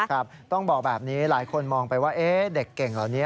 ครับต้องบอกแบบนี้หลายคนมองไปว่าเด็กเก่งเหล่านี้